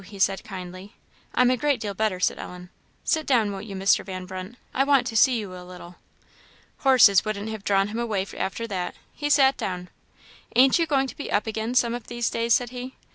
said he, kindly. "I'm a great deal better," said Ellen. "Sit down, won't you, Mr. Van Brunt? I want to see you a little." Horses wouldn't have drawn him away after that. He sat down. "Ain't you going to be up again some of these days?" said he.